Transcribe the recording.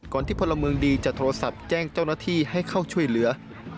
ที่พลเมืองดีจะโทรศัพท์แจ้งเจ้าหน้าที่ให้เข้าช่วยเหลือ